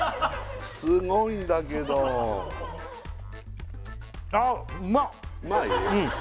すごいんだけどうまい？